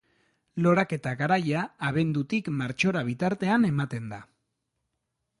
Loraketa garaia, abendutik martxora bitartean ematen da.